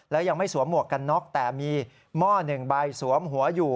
และยังไม่สวมหมวกกันน็อกแต่มีหม้อหนึ่งใบสวมหัวอยู่